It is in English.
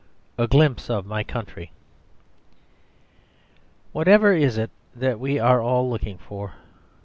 A Glimpse of My Country Whatever is it that we are all looking for?